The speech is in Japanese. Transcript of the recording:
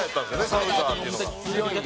サウザーっていうのが。